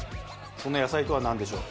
その野菜とはなんでしょう？